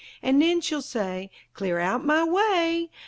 An' nen she'll say: "Clear out o' my way!